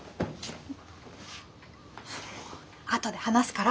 あとで話すから。